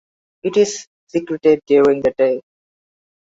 It is secretive during the day.